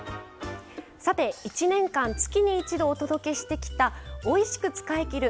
さて、１年間月に一度お届けしてきた「おいしく使いきる！